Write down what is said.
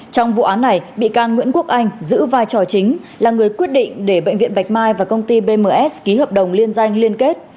trong vụ án này bị can nguyễn quốc anh giữ vai trò chính là người quyết định để bệnh viện bạch mai và công ty bms ký hợp đồng liên danh liên kết